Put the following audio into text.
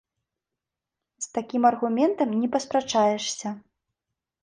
З такім аргументам не паспрачаешся.